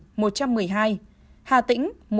hà tĩnh một trăm ba mươi bảy